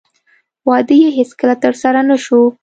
واده یې هېڅکله ترسره نه شو.